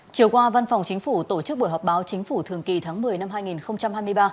chiều qua văn phòng chính phủ tổ chức buổi họp báo chính phủ thường kỳ tháng một mươi năm hai nghìn hai mươi ba